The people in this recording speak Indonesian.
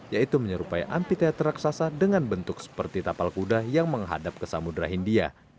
yaitu menyerupai anti teater raksasa dengan bentuk seperti tapal kuda yang menghadap ke samudera india